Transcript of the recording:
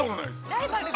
◆ライバル。